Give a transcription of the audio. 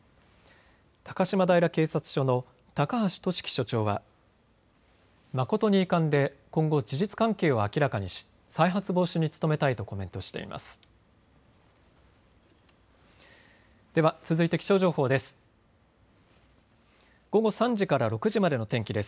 高島平警察署の高橋季樹署長は誠に遺憾で今後、事実関係を明らかにし再発防止に努めたいとコメントしています。